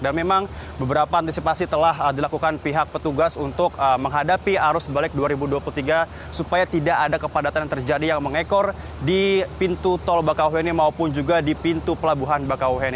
dan memang beberapa antisipasi telah dilakukan pihak petugas untuk menghadapi arus balik dua ribu dua puluh tiga supaya tidak ada kepadatan yang terjadi yang mengekor di pintu tol bakauheni maupun juga di pintu pelabuhan bakauheni